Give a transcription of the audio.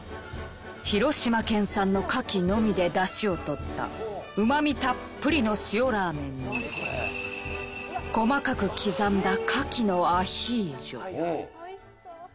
広島県産の牡蠣のみでダシを取ったうまみたっぷりの塩ラーメンに細かく刻んだ美味しそう！